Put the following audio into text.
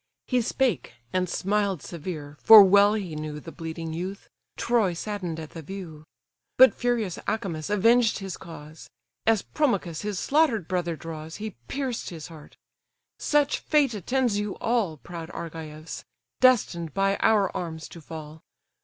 He spake, and smiled severe, for well he knew The bleeding youth: Troy sadden'd at the view. But furious Acamas avenged his cause; As Promachus his slaughtered brother draws, He pierced his heart—"Such fate attends you all, Proud Argives! destined by our arms to fall.